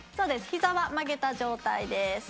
ひざは曲げた状態です。